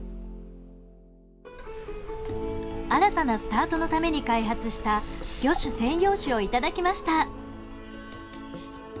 新たなスタートのために開発した魚種専用酒を頂きました。